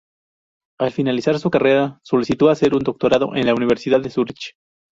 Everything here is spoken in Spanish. Al finalizar su carrera, solicitó hacer un doctorado en la Universidad de Zurich.